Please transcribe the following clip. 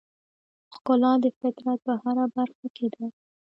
ښکلا د فطرت په هره برخه کې ده.